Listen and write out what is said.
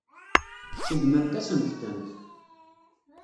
Seggment-asent-tent.